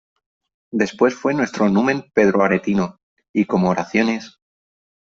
después fué nuestro numen Pedro Aretino , y como oraciones ,